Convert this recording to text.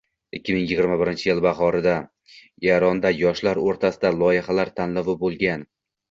ikki ming yigirma birinchi yil bahorida Eronda yoshlar o‘rtasida loyihalar tanlovi bo‘lgan.